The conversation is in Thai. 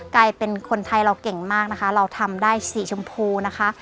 กลายเป็นคนไทยเราเก่งมากนะคะเราทำได้สีชมพูนะคะ